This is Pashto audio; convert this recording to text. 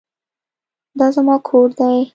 دا زما کور دی.